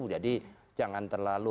jadi jangan terlalu